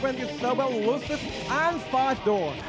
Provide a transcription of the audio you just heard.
สวัสดีครับทายุรัฐมวยไทยไฟตเตอร์